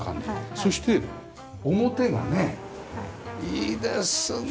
そして表がねいいですね